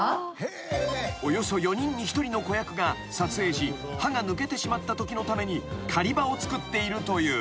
［およそ４人に１人の子役が撮影時歯が抜けてしまったときのために仮歯を作っているという］